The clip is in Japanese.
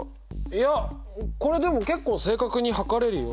いやこれでも結構正確に測れるよ。